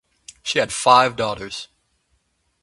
She had five daughters.